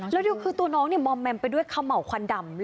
แล้วคือตัวน้องมอมแมมไปด้วยเขม่าวควันดำ